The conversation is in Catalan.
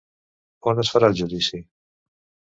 On es farà el judici?